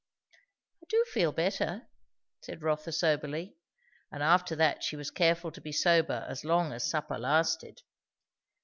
"I do feel better," said Rotha soberly. And after that she was careful to be sober as long as supper lasted.